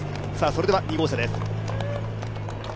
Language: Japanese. では２号車です。